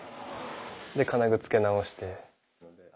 で金具付け直して。